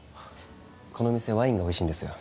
この店ワインがおいしいんですよ